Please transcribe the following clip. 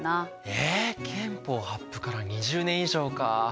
え憲法発布から２０年以上か。